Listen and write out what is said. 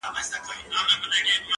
نو ځکه هغه ته پرده وايو.